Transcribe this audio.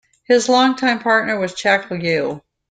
His longtime partner was Chak Yui.